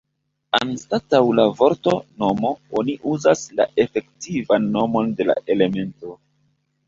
Anstataŭ la vorto "nomo" oni uzas la efektivan nomon de la elemento.